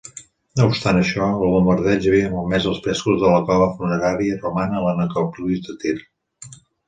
No obstant això, el bombardeig havia malmès els frescos d'una cova funerària romana a la Necròpolis de Tir.